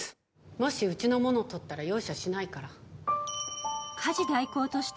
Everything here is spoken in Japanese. もしうちのものをとったら容赦しないから。